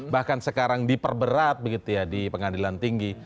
bahkan sekarang diperberat begitu ya di pengadilan tinggi